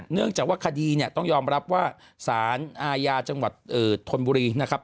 เนื่องจากว่าคดีเนี่ยต้องยอมรับว่าสารอาญาจังหวัดธนบุรีนะครับ